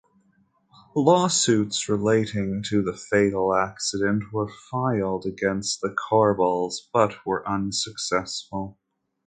Lawsuits relating to the fatal accident were filed against the Korbels but were unsuccessful.